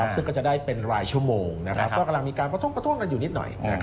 ซึ่งก็จะได้เป็นรายชั่วโมงเพราะกำลังมีการประท่วงอยู่นิดหน่อย